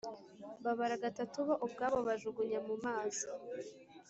Babara gatatu bo ubwabo bajugunya mu mazi